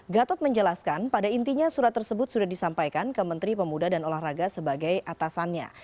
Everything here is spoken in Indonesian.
gatot menjelaskan pada intinya surat tersebut sudah disampaikan ke menteri pemuda dan olahraga sebagai atasannya